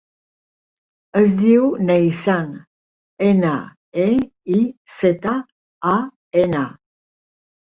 Es diu Neizan: ena, e, i, zeta, a, ena.